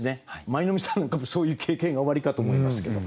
舞の海さんなんかもそういう経験がおありかと思いますけど。